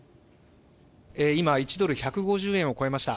「今、１ドル１５０円を超えました。